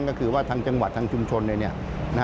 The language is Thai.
ก็คือว่าทางจังหวัดทางชุมชนเลย